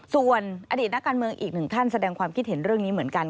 ส่วนอดีตนักการเมืองอีกหนึ่งท่านแสดงความคิดเห็นเรื่องนี้เหมือนกัน